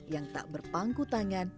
yang tak berpangku tangan